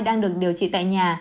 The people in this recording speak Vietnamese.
đang được điều trị tại nhà